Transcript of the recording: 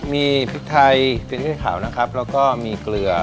มีพริกไทยฟิลลี่ขาวนะครับแล้วก็มีเกลือ